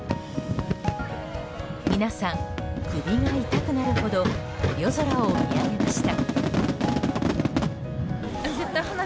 皆さん、首が痛くなるほど夜空を見上げました。